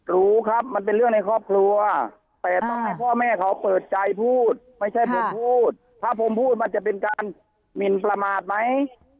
รู้ครับมันเป็นเรื่องในครอบครัวแต่ต้องให้พ่อแม่เขาเปิดใจพูดไม่ใช่ผมพูดถ้าผมพูดมันจะเป็นการหมินประมาทไหม